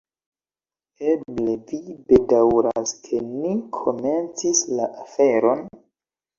Eble vi bedaŭras, ke ni komencis la aferon?